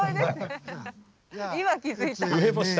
今気付いた。